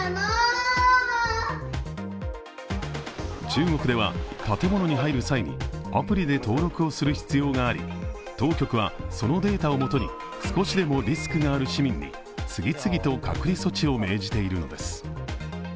中国では建物に入る際にアプリで登録する必要があり当局はそのデータをもとに少しでもリスクがある市民に次々と隔離措置を命じているのです。